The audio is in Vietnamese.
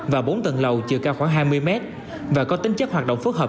và bốn tầng lầu trừ cao khoảng hai mươi m và có tính chất hoạt động phức hợp